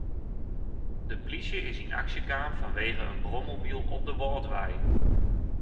De plysje is yn aksje kaam fanwegen in brommobyl op de Wâldwei.